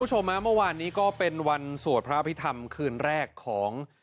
คุณผู้ชมฮะเมื่อวานนี้ก็เป็นวันสวดพระอภิษฐรรมคืนแรกของ